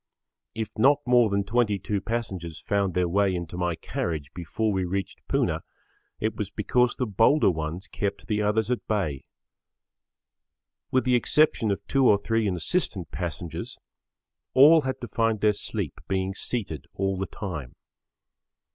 If not more than 22 passengers found their way into my carriage before we reached Poona, it was because the bolder ones kept the others at bay. With the exception of two or three insistent passengers, all had to find their sleep being seated all the time.